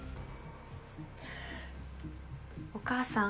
お母さん。